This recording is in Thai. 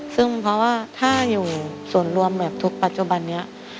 ซึ่งเพราะว่าถ้าอยู่ส่วนรวมแบบทุกปัจจุบันนี้